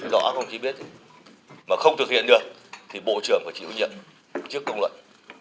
đó tổng chí biết mà không thực hiện được thì bộ trưởng phải chịu nhận trước công luận